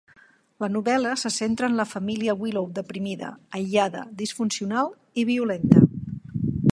La novel·la se centra en la família Willow deprimida, aïllada, disfuncional i violenta.